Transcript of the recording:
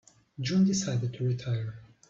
June decided to retire.